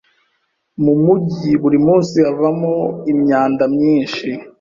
Mu mujyi, buri munsi havamo imyanda myinshi.